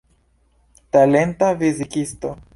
Talenta fizikisto.